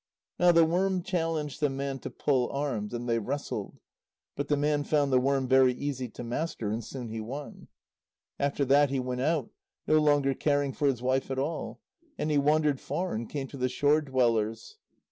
Now the worm challenged the man to pull arms, and they wrestled. But the man found the worm very easy to master, and soon he won. After that he went out, no longer caring for his wife at all. And he wandered far, and came to the shore dwellers.